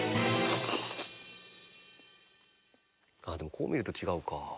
でもこう見ると違うか。